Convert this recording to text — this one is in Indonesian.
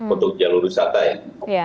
untuk jalur wisata ini